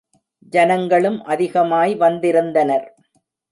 ஜனங்களும் அதிகமாய் வந்திருந்தனர்.